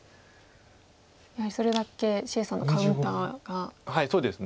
やはりそれだけ謝さんのカウンターが怖いと。